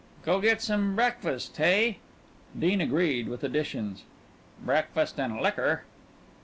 "Go get some breakfast, hey?" Dean agreed with additions. "Breakfast and liquor."